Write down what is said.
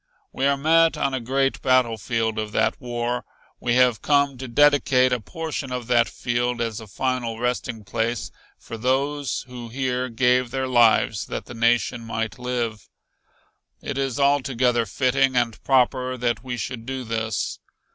We are met on a great battlefield of that war. We have come to dedicate a portion of that field as a final resting place for those who here gave their lives that the nation might live. It is altogether fitting and proper that we should do this.